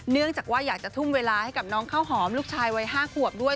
เนื่องจากว่าอยากจะทุ่มเวลาให้กับน้องข้าวหอมลูกชายวัย๕ขวบด้วย